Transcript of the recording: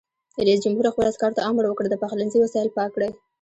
رئیس جمهور خپلو عسکرو ته امر وکړ؛ د پخلنځي وسایل پاک کړئ!